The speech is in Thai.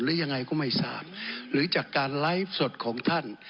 หรือยังไงก็ไม่ทราบหรือจากการไลฟ์สดของท่าน